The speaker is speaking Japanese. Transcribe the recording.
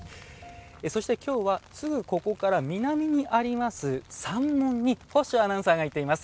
そして今日はすぐ、ここから南にあります三門に法性アナウンサーが行っています。